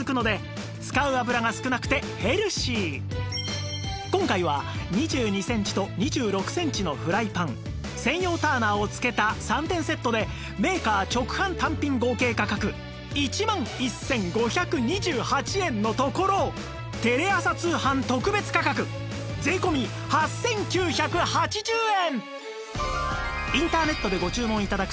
この今回は２２センチと２６センチのフライパン専用ターナーを付けた３点セットでメーカー直販単品合計価格１万１５２８円のところテレ朝通販特別価格税込８９８０円